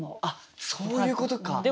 あっそういうことか！